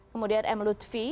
kemudian m lutfi